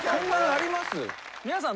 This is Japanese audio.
皆さん。